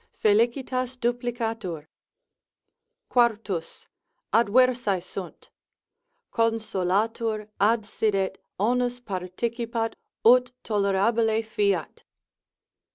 felicitas duplicatur.—4. Adversae sunt? Consolatur, adsidet, onus participat ut tolerabile fiat.